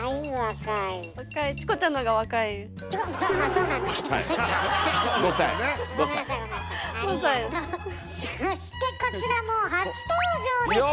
そしてこちらも初登場です！